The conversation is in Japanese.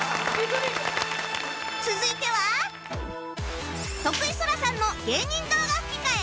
続いては徳井青空さんの芸人動画吹き替え